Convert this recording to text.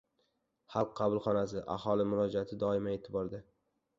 Xalq qabulxonasi: aholi murojaati doimo e’tiborda